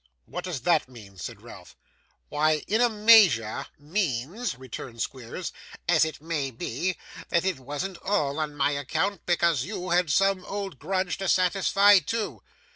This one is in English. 'What does that mean?' said Ralph. 'Why, in a measure means,' returned Squeers, 'as it may be, that it wasn't all on my account, because you had some old grudge to satisfy, too.